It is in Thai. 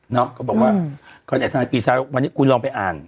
เนอะก็บอกว่าก่อนแห่งธนาคต์ปี๖วันนี้คุณลองไปอ่าน